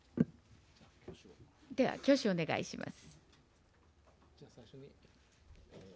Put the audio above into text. では挙手をお願いします。